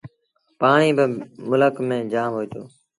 پآڻيٚ با ملڪ ميݩ جآم هوئيٚتو۔